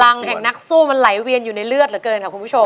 แห่งนักสู้มันไหลเวียนอยู่ในเลือดเหลือเกินค่ะคุณผู้ชม